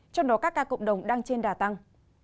trong đó các ca cộng đồng đang trên đà tăng